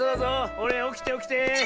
ほれおきておきて。